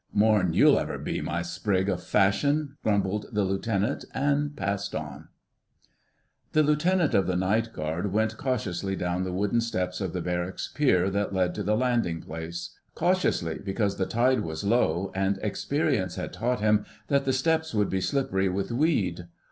"More'n you'll ever be, my sprig o' fashion," grumbled the Lieutenant, and passed on. The Lieutenant of the Night Guard went cautiously down the wooden steps of the Barracks' Pier that led to the landing place. Cautiously, because the tide was low, and experience had taught him that the steps would be slippery with weed.